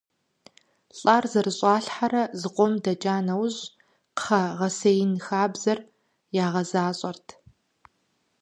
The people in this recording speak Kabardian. ЛӀар зэрыщӀалъхьэрэ зыкъом дэкӀа нэужь кхъэ гъэсеин хабзэр ягъэзащӀэрт.